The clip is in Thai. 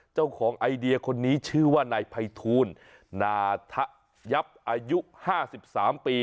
เจ้าของไอเดียคนนี้ชื่อว่านายภัยทูลนาทะยับอายุ๕๓ปี